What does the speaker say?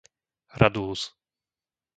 Radúz